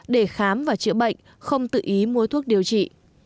để khám và chữa bệnh không tự ý mua thuốc điều trị